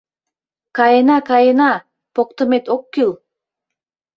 Каена, каена, поктымет ок кӱл.